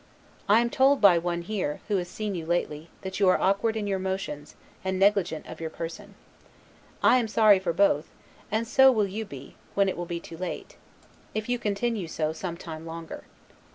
I am told by one here, who has seen you lately, that you are awkward in your motions, and negligent of your person: I am sorry for both; and so will you be, when it will be too late, if you continue so some time longer.